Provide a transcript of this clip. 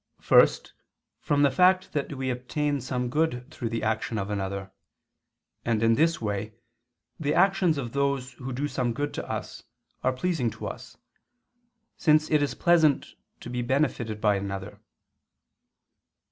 First, from the fact that we obtain some good through the action of another. And in this way, the actions of those who do some good to us, are pleasing to us: since it is pleasant to be benefited by another.